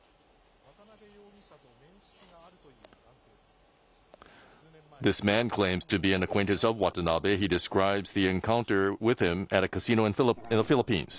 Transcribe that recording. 渡邉容疑者と面識があるという男性です。